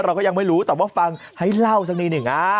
เราก็ยังไม่รู้แต่ว่าฟังให้เล่าสักนิดหนึ่ง